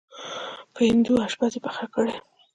په هندو اشپز یې پخه کړې.